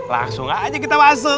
langsung aja kita masuk